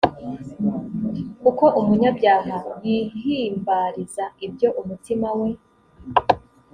kuko umunyabyaha yihimbariza ibyo umutima we